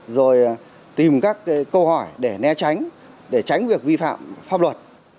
rồi tìm các câu hỏi để né tránh để tránh việc vi phạm pháp luật